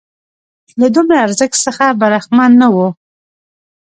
له دومره ارزښت څخه برخمن نه وو.